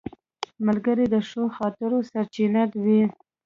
ملګری د ښو خاطرو سرچینه وي